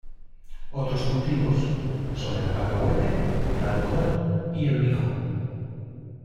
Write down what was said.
Otros cultivos son el cacahuete, el algodón, y el mijo.